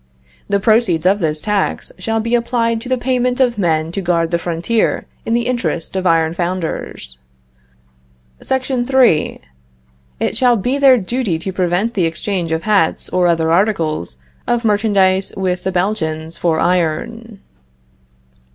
The proceeds of this tax shall be applied to the payment of men to guard the frontier in the interest of iron founders. SEC. 3. It shall be their duty to prevent the exchange of hats or other articles of merchandise with the Belgians for iron.